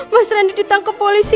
mas randy ditangkap polisi